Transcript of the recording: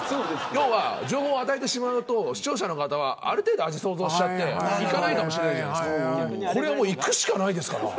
情報を与えてしまうと視聴者の方はある程度味を想像しちゃって行かないかもしれませんけどこれは行くしかないですから。